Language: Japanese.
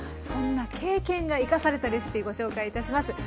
そんな経験が生かされたレシピご紹介いたします。